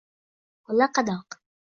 Qo’li qadoq